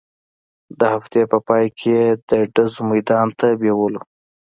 د هفتې په پاى کښې يې د ډزو ميدان ته بېولو.